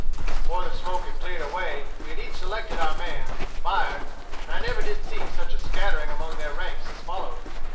Before the smoke had cleared away we had each selected our man, fired, and I never did see such a scattering among their ranks as followed.